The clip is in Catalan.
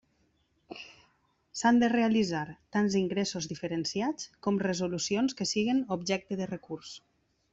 S'han de realitzar tants ingressos diferenciats com resolucions que siguen objecte de recurs.